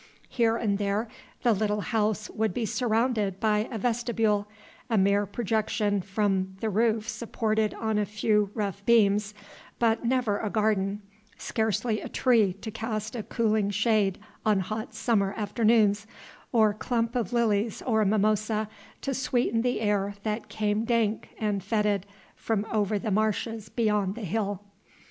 Here and there the little house would be surrounded by a vestibule a mere projection from the roof supported on a few rough beams but never a garden, scarcely a tree to cast a cooling shade on hot summer afternoons, or clump of lilies or mimosa to sweeten the air that came dank and fetid from over the marshes beyond the hill.